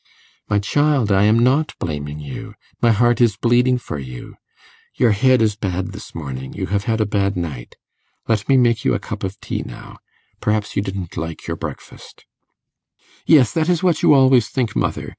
'My child, I am not blaming you my heart is bleeding for you. Your head is bad this morning you have had a bad night. Let me make you a cup of tea now. Perhaps you didn't like your breakfast.' 'Yes, that is what you always think, mother.